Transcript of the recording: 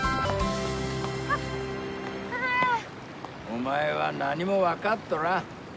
お前は何も分かっとらん。